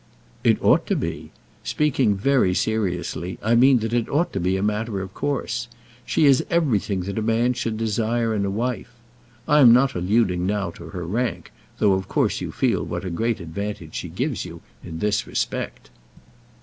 "It ought to be. Speaking very seriously, I mean that it ought to be a matter of course. She is everything that a man should desire in a wife. I am not alluding now to her rank, though of course you feel what a great advantage she gives you in this respect."